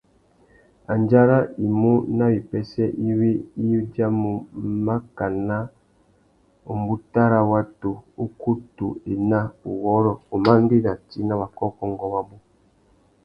Andjara i mú nà wipêssê iwí i udjamú mákànà râ watu wa kutu ena, uwôrrô, umandēna tsi na wakōkôngô wabú.